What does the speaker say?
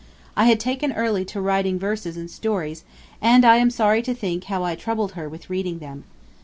I had taken early to writing verses and stories, and I am sorry to think how I troubled her with reading them.